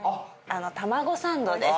たまごサンドです。